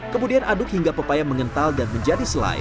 kemudian aduk hingga pepaya mengental dan menjadi selai